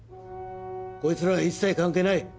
こいつらは一切関係ない。